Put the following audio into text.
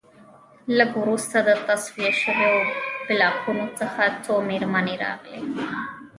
لږ وروسته د تصفیه شویو بلاکونو څخه څو مېرمنې راغلې